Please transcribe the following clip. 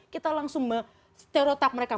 kita langsung me stereotap mereka